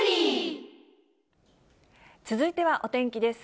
続いてはお天気です。